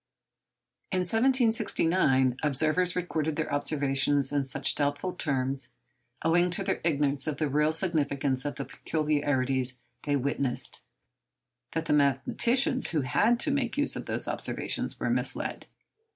In 1769, observers recorded their observations in such doubtful terms, owing to their ignorance of the real significance of the peculiarities they witnessed, that the mathematicians who had to make use of those observations were misled.